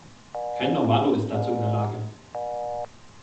Kein Normalo ist dazu in der Lage.